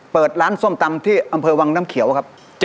เปิดร้านส้มตำที่อำเภอวังน้ำเขียวครับ